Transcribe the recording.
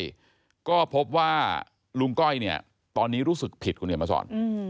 ใช่ก็พบว่าลุงก้อยเนี่ยตอนนี้รู้สึกผิดคุณเขียนมาสอน